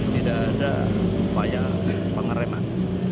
tidak ada banyak pengereman